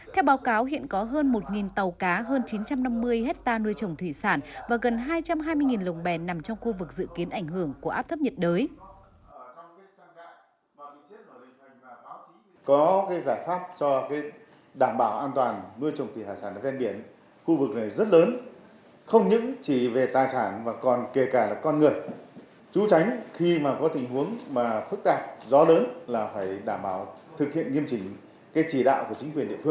theo báo cáo hiện có hơn một tàu cá hơn chín trăm năm mươi hectare nuôi trồng thủy sản và gần hai trăm hai mươi lồng bèn nằm trong khu vực dự kiến ảnh hưởng của áp thấp nhiệt đới